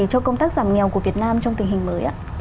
cho công tác giảm nghèo của việt nam trong tình hình mới